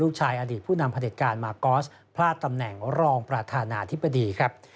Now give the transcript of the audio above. อดีตผู้นำผลิตการมากอสพลาดตำแหน่งรองประธานาธิบดีครับ